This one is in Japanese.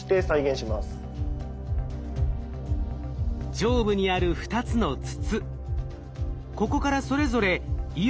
上部にある２つの筒。